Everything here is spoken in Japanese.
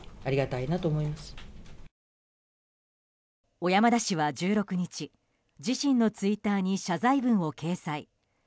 小山田氏は１６日自身のツイッターに謝罪文を掲載。